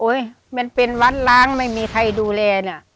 อุ๋ยเป็นวันล้างไม่มีใครดูแลแหละ